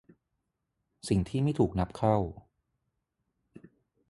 สิ่งที่ไม่ถูกนับเข้า